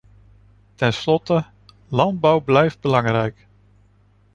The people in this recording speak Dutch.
Ten slotte: landbouw blijft belangrijk.